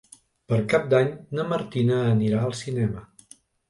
Per Cap d'Any na Martina anirà al cinema.